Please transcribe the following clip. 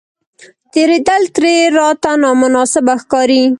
تېرېدل ترې راته نامناسبه ښکاري.